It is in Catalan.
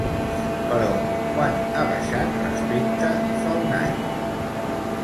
Però, quant ha baixat respecte fa un any?